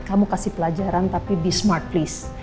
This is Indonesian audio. kamu kasih pelajaran tapi be smart list